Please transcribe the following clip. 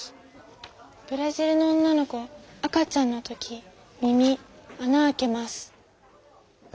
ブラジルの女の子赤ちゃんの時耳あな開けます。え？